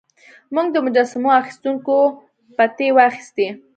موږ د مجسمو اخیستونکو پتې واخیستې.